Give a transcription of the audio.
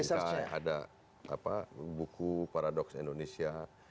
ada buku paradox indonesia